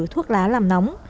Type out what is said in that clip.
thuốc lá làm nóng